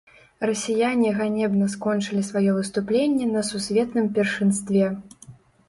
Расіяне ганебна скончылі сваё выступленне на сусветным першынстве.